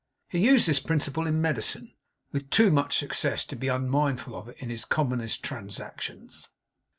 He used this principle in Medicine with too much success to be unmindful of it in his commonest transactions.